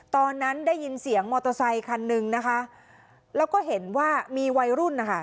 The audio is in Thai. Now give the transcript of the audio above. ตอนนั้นได้ยินเสียงมอเตอร์ไซคันนึงนะคะแล้วก็เห็นว่ามีวัยรุ่นนะคะ